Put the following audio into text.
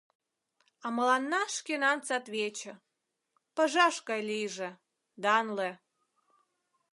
А мыланна шкенан сад-вече Пыжаш гай лийже — данле.